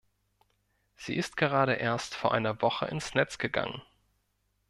Sie ist gerade erst vor einer Woche ins Netz gegangen.